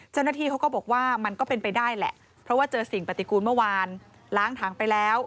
เจ้าหน้าที่เขาก็บอกว่ามันก็เป็นไปได้แหละเพราะว่าเจอสิ่งปฏิกูลเมื่อวานล้างถังไปแล้ว